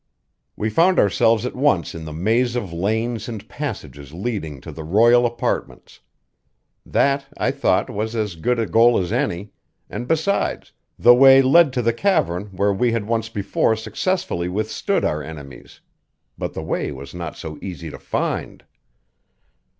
We found ourselves at once in the maze of lanes and passages leading to the royal apartments. That, I thought, was as good a goal as any; and, besides, the way led to the cavern where we had once before successfully withstood our enemies. But the way was not so easy to find.